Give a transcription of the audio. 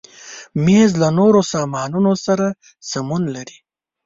مېز له نورو سامانونو سره سمون لري.